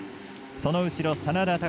その後ろ、眞田卓。